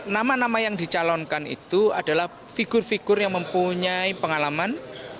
nama nama yang dicalonkan itu adalah figur figur yang mempunyai pengalaman